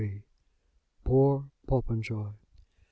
POOR POPENJOY!